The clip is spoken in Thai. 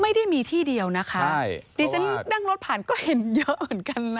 ไม่ได้มีที่เดียวนะคะใช่ดิฉันนั่งรถผ่านก็เห็นเยอะเหมือนกันนะ